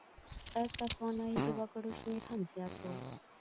غیر تسوانایي وګړو شمېر هم زیات و.